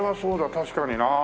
確かにな。